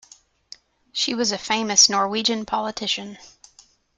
She was a famous Norwegian politician.